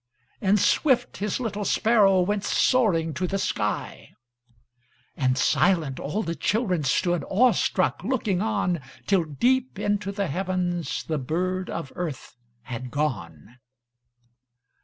And swift, His little sparrow Went soaring to the sky, And silent, all the children Stood, awestruck, looking on, Till, deep into the heavens, The bird of earth had gone.